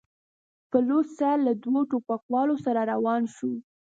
په لوڅ سر له دوو ټوپکوالو سره روان شو.